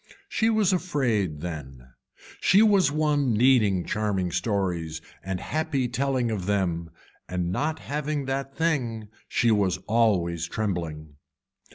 She was afraid then, she was one needing charming stories and happy telling of them and not having that thing she was always trembling.